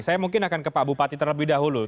saya mungkin akan ke pak bupati terlebih dahulu